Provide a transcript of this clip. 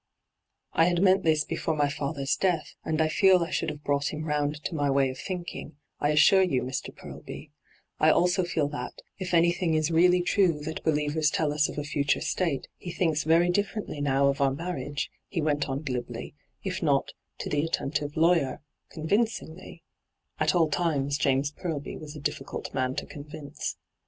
' I had meant this before my father's death, ahd I feel I should have brought him round to my way of thinking, I assure yon, Mr. Purlby ; I also feel that, if anything is really true that believers tell us j{ a future state, he thinks very differently now of our marri^je,' he went on glibly, if not, to the attentive lawyer, convincingly — at all times James Purlby was a difficult man to convince.